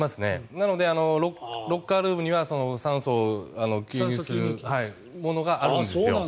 なので、ロッカールームには酸素を吸入するものがあるんです。